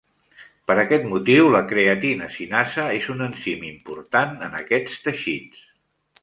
Per aquest motiu, la creatina cinasa és un enzim important en aquests teixits.